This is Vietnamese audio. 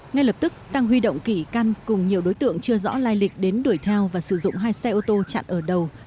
ngay lập tức sang huy động kỷ căn cùng nhiều đối tượng chưa rõ lai lịch đến đuổi theo và sử dụng hai xe ô tô chặn ở đầu